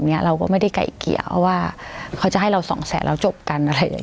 เนี้ยเราก็ไม่ได้ไก่เกลี่ยเพราะว่าเขาจะให้เราสองแสนแล้วจบกันอะไรอย่างเ